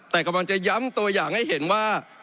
แต่กำลังจะย้ำตัวอย่างให้เห็นว่า